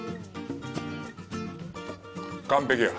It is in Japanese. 完璧や！